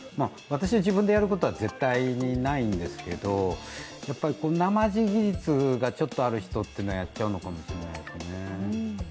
私、自分でやることは絶対にないんですけど、なまじ技術がちょっとある人はやっちゃうのかもしれないですね。